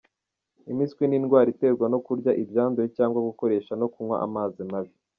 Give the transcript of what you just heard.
Impiswi ni indwara iterwa no kurya ibyanduye cyangwa gukoresha no kunywa amazi mabi.